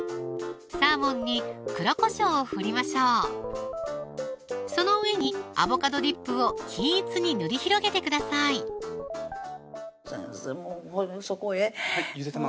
サーモンに黒こしょうを振りましょうその上にアボカドディップを均一に塗り広げてください先生